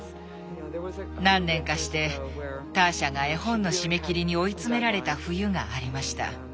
何年かしてターシャが絵本の締め切りに追い詰められた冬がありました。